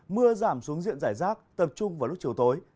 mưa giảm xuống diện giải rác tập trung vào lúc chiều tối